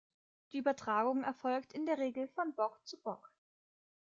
Die Übertragung erfolgt in der Regel von Bock zu Bock.